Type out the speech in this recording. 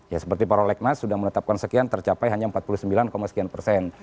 ya seperti prolegnas sudah menetapkan sekian tercapai hanya empat puluh sembilan sekian persen